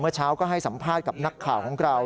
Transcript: เช้าก็ให้สัมภาษณ์กับนักข่าวของเรา